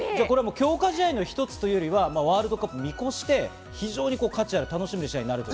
強化試合の一つというよりはワールドカップを見越して、価値がある楽しみな試合になると。